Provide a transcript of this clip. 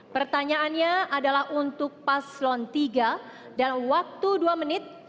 pertanyaannya adalah untuk paslon tiga dan waktu dua menit